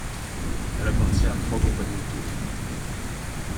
Elle appartient à trois compagnies de tourisme.